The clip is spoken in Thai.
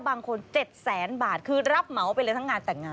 บางคน๗แสนบาทคือรับเหมาไปเลยทั้งงานแต่งงาน